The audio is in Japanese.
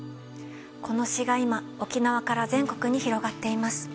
この詩が今沖縄から全国に広がっています。